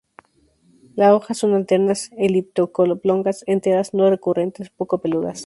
La hojas son alternas, elíptico-oblongas, enteras, no decurrentes, poco peludas.